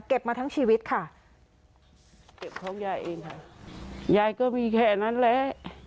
มาทั้งชีวิตค่ะเก็บของยายเองค่ะยายก็มีแค่นั้นแหละ